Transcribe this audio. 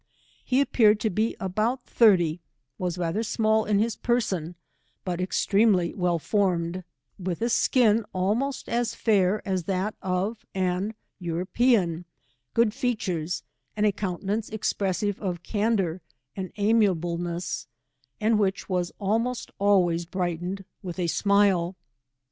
Reappeared to be about thirty, was rather small in his person, but extremely well formed, with a skin almost as fair as that of an European, good features, and a countenance expressive of candour and amiableness, and which was almost always brightened with a gmile.